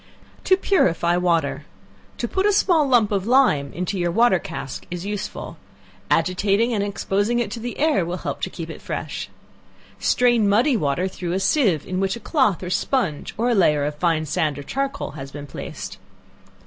To Purify Water. To put a small lump of lime into your water cask is useful. Agitating and exposing it to the air, will help to keep it fresh. Strain muddy water through a sieve, in which a cloth or sponge, (or a layer of fine sand or charcoal,) has been placed.